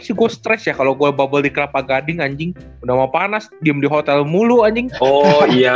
sih gue stres ya kalau gue bubble di kelapa gading anjing udah mau panas diem di hotel mulu anjing oh iya